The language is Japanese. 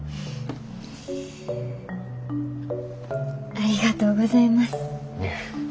ありがとうございます。